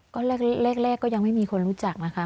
ก็แรกก็ยังไม่มีคนรู้จักนะคะ